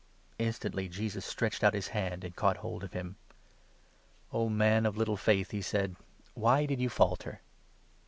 Instantly Jesus stretched out his hand, and caught hold of him. 31 " O man of little faith !" he said, " Why did you falter